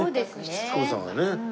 しつこさがね。